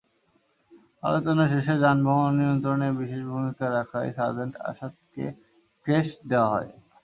আলোচনা শেষে যানবাহন নিয়ন্ত্রণে বিশেষ ভূমিকা রাখায় সার্জেন্ট আসাদকে ক্রেস্ট দেওয়া হয়।